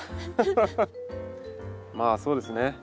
まあそうですね。